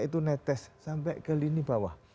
itu netes sampai ke lini bawah